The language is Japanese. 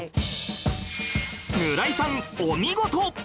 村井さんお見事！